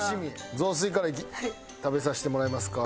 雑炊から食べさせてもらいますか。